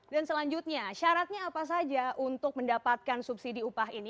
dan selanjutnya syaratnya apa saja untuk mendapatkan subsidi upah ini